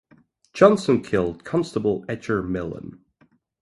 Johnson killed Constable Edger Millen.